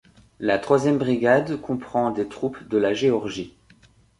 La troisième brigade comprend des troupes de la Géorgie.